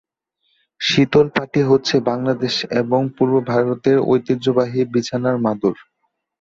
শীতল পাটি হচ্ছে বাংলাদেশ এবং পূর্ব ভারতের ঐতিহ্যবাহী বিছানার মাদুর।